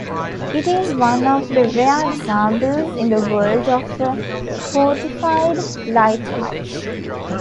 It is one of the rare examples in the world of a fortified lighthouse.